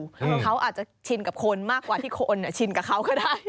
เขาอาจจะชินกับคนมากกว่าที่คนชินกับเขาก็ได้